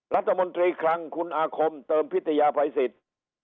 รัฐมนตรีคลังคุณอาคมเติมพิทยาภัยสิทธิ์